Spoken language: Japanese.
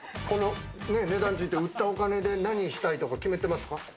この売ったお金で何をしたいとか決めていますか？